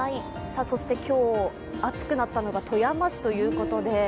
そして今日、暑くなったのが富山市ということで。